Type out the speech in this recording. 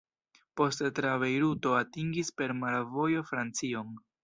Poste tra Bejruto atingis per mara vojo Francion.